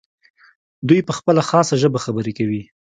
دوی په خپله خاصه ژبه خبرې کوي.